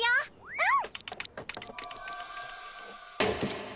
うん。